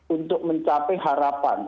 untuk mencapai harapan